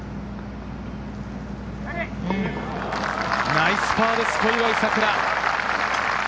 ナイスパーです、小祝さくら。